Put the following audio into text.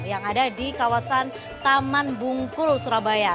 yang ada di kawasan taman bungkul surabaya